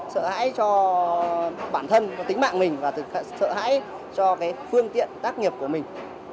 sợ hãi cho bản thân tính mạng mình và sợ hãi cho cái phương tiện tác nghiệp của mình